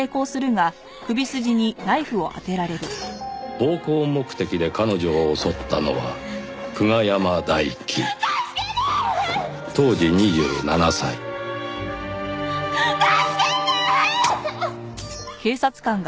暴行目的で彼女を襲ったのは久我山大樹当時２７歳助けてーっ！！